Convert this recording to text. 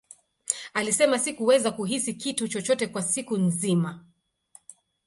Alisema, Sikuweza kuhisi kitu chochote kwa siku nzima.